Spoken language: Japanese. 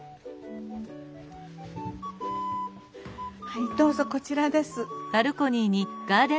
はいどうぞこちらです。